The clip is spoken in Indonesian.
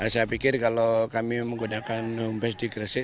saya pikir kalau kami menggunakan homebase di gersik